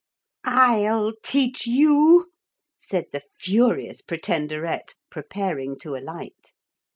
'I'll teach you,' said the furious Pretenderette, preparing to alight.